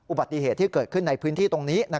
อุบัติเหตุที่เกิดขึ้นในพื้นที่ตรงนี้